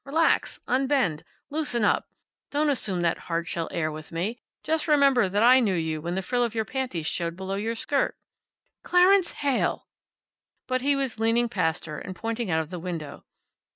Relax. Unbend. Loosen up. Don't assume that hardshell air with me. Just remember that I knew you when the frill of your panties showed below your skirt." "Clarence Heyl!" But he was leaning past her, and pointing out of the window.